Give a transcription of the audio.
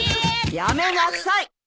やめなさい！